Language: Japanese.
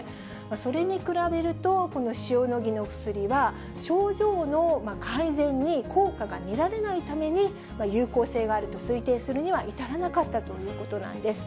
それに比べると、この塩野義の薬は、症状の改善に効果が見られないために、有効性があると推定するには至らなかったということなんです。